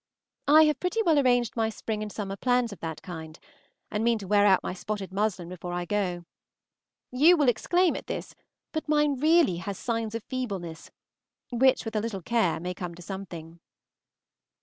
I have pretty well arranged my spring and summer plans of that kind, and mean to wear out my spotted muslin before I go. You will exclaim at this, but mine really has signs of feebleness, which with a little care may come to something.